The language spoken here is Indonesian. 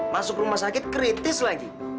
masuk rumah sakit kritis lagi